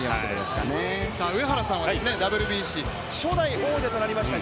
上原さんはＷＢＣ初代王者となりました